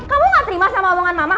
kamu gak terima sama omongan mama